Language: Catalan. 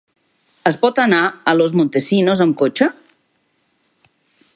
Es pot anar a Los Montesinos amb cotxe?